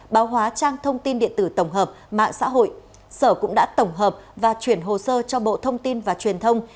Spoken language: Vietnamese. báo hóa trang thông tin điện tử tổng hợp mạng xã hội sở cũng đã tổng hợp và chuyển hồ sơ cho bộ thông tin và truyền thông